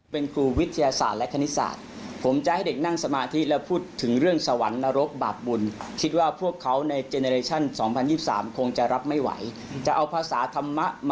เป็นครูวิทยาศาสตร์และคณิตศาสตร์